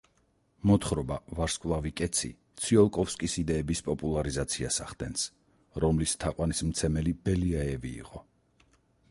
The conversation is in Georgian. მოთხრობა „ვარსკვლავი კეცი“ ციოლკოვსკის იდეების პოპულარიზაციას ახდენს, რომლის თაყვანისმცემელი ბელიაევი იყო.